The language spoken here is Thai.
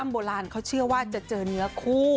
โบราณเขาเชื่อว่าจะเจอเนื้อคู่